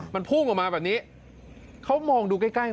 มันพุ่งออกมาแบบนี้เขามองดูใกล้ใกล้